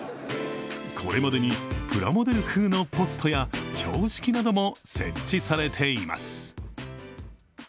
これまでにプラモデル風のポストや標識なども設置されています。